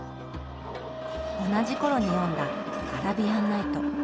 同じ頃に読んだ「アラビアン・ナイト」。